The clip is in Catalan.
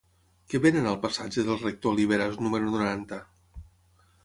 Què venen al passatge del Rector Oliveras número noranta?